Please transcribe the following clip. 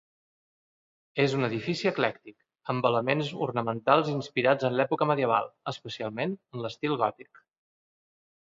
És un edifici eclèctic, amb elements ornamentals inspirats en l'època medieval, especialment en l'estil gòtic.